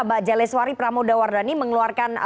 mbak jaleswari pramodawardani mengeluarkan